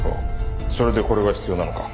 それでこれが必要なのか。